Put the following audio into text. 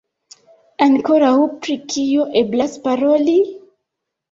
Ankoraŭ pri kio eblas paroli?